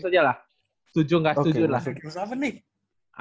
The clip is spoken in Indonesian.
itu aja lah setuju gak setuju lah